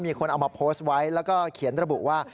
มีคนเอามาโพสต์ไว้แล้วก็เขียนระบุว่า